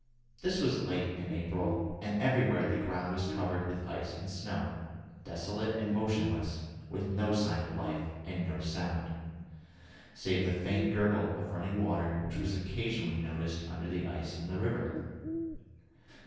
This was late in April, and everywhere the ground was covered with ice and snow, desolate and motionless, with no sign of life, and no sound, save the faint gurgle of running water which was occasionally noticed under the ice on the river.